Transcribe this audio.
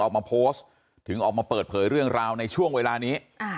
ออกมาโพสต์ถึงออกมาเปิดเผยเรื่องราวในช่วงเวลานี้